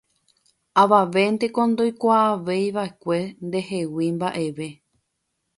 Avavénteko ndoikuaavéiva'ekue ndehegui mba'eve